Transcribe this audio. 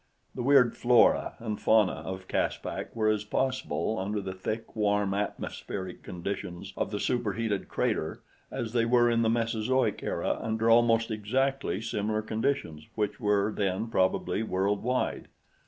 The weird flora and fauna of Caspak were as possible under the thick, warm atmospheric conditions of the super heated crater as they were in the Mesozoic era under almost exactly similar conditions, which were then probably world wide.